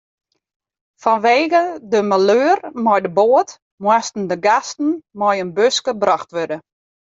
Fanwegen de maleur mei de boat moasten de gasten mei in buske brocht wurde.